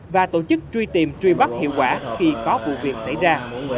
và tổ chức truy tìm truy bắt hiệu quả khi có vụ việc xảy ra